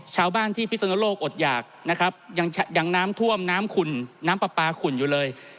ชาวบ้านที่พิศนโลกอดหยากนะครับยังน้ำท่วมน้ำขุ่นน้ำปลาปลาขุ่นอยู่เลย